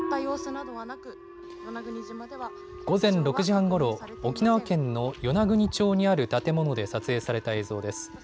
午前６時半ごろ沖縄県の与那国町にある建物で撮影された映像です。